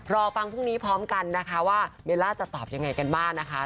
รอฟังพรุ่งนี้พร้อมกันนะคะว่าเบลล่าจะตอบยังไงกันบ้างนะคะ